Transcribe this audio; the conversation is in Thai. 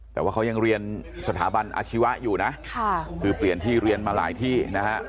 แต่ว่าเขายังเรียนสถาบันอาชีวะอยู่นะคือเปลี่ยนที่เรียนมาหลายที่นะฮะ